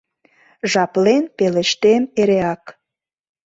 жаплен пелештем эреак